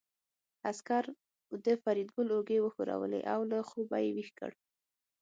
عسکر د فریدګل اوږې وښورولې او له خوبه یې ويښ کړ